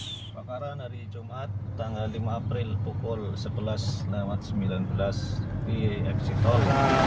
kebakaran hari jumat tanggal lima april pukul sebelas sembilan belas di eksit tol